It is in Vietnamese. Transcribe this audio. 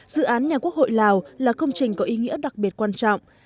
dự án nhà quốc hội lào là công trình có ý nghĩa đặc biệt quan trọng